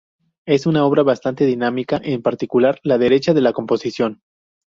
Es una obra bastante dinámica, en particular la derecha de la composición.